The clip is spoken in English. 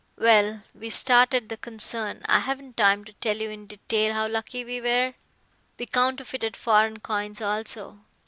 "Well, we started the concern. I haven't time to tell you in detail how lucky we were. We counterfeited foreign coins also.